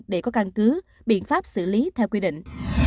để có căn cứ biện pháp xử lý theo quy định